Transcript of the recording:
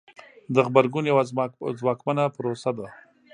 د غبرګون یوه ځواکمنه پروسه ده.